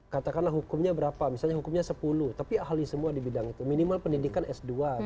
katakanlah hukumnya berapa misalnya hukumnya sepuluh tapi ahli semua di bidang itu minimal pendidikan s dua